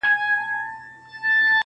o حق لرم چي والوزم اسمان ته الوته لرم,